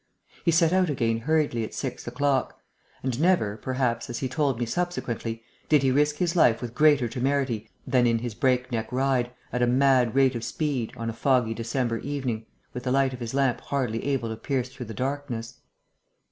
He set out again hurriedly at six o'clock; and never, perhaps, as he told me subsequently, did he risk his life with greater temerity than in his breakneck ride, at a mad rate of speed, on a foggy December evening, with the light of his lamp hardly able to pierce through the darkness.